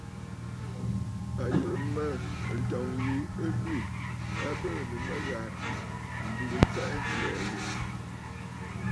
À yùʼù mə̂, ǹtɔ̂ŋ yi ɨ lwî, a bɨɨ̀nə̀ mə ghàrə̀, m̀burə mfɛʼɛ ghɛ̀ɛ̀ ƴi.